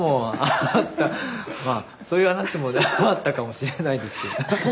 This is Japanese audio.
まあそういう話もあったかもしれないですけど。